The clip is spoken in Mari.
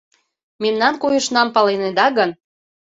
Мемнан койышнам палынеда гын